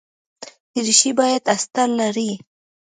دریشي باید استر لري.